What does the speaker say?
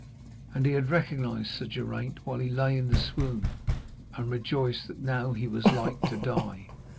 And he had recognised Sir Geraint while he lay in the swoon, and rejoiced that now he was like to die.